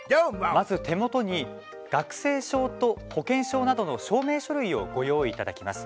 まず、手元に学生証と保険証などの証明書類をご用意いただきます。